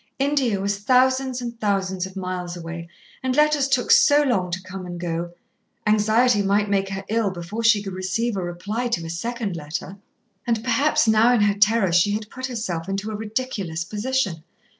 India was thousands and thousands of miles away, and letters took so long to come and go. Anxiety might make her ill before she could receive a reply to a second letter. And perhaps now in her terror she had put herself into a ridiculous position.